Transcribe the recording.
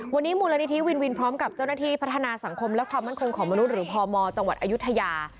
วันนี้มูลนิธิวินวินพร้อมกับเจ้าหน้าที่พัฒนาสังคมและความมั่นคงของมนุษย์หรือพมจังหวัดอายุทยา